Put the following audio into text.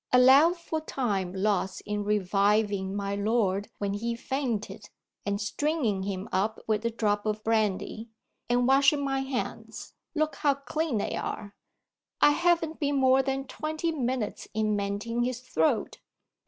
"Allow for time lost in reviving my lord when he fainted, and stringing him up with a drop of brandy, and washing my hands (look how clean they are!), I haven't been more than twenty minutes in mending his throat.